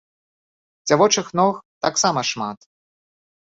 Дзявочых ног таксама шмат.